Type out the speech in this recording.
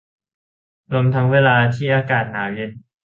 รวมทั้งเวลาที่อากาศหนาวเย็น